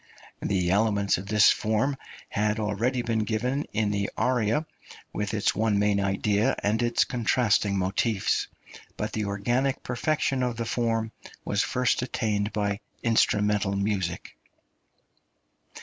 The elements of this form had already been given in the aria, with its one main idea and its contrasting motifs; but the organic perfection of the form was first attained by instrumental music.